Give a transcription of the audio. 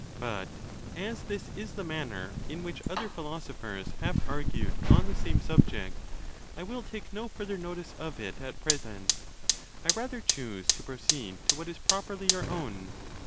But as this is the manner in v^hich other philosophers have argued on the same subject, I will take no further notice of it at present ; I rather choose to proceed to what is properly your own.